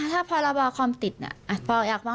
ถ้าพอราบรคอมติดอยากฟ้องเลยมาฟ้อง